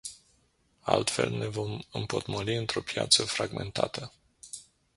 Altfel ne vom împotmoli într-o piață fragmentată.